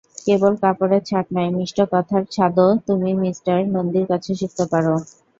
কেবল কাপড়ের ছাঁট নয়, মিষ্ট কথার ছাঁদও তুমি মিস্টার নন্দীর কাছে শিখতে পার।